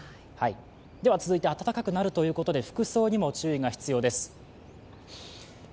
続いて暖かくなるということで、服装にも注意が必要です。